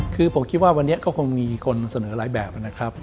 คือผมคิดว่าวันนี้ก็คงมีคนเสนอหลายแบบนะครับ